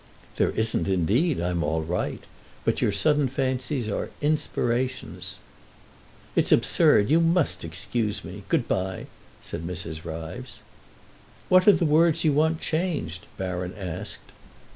"There isn't, indeed; I'm all right. But your sudden fancies are inspirations." "It's absurd. You must excuse me. Good by!" said Mrs. Ryves. "What are the words you want changed?" Baron asked.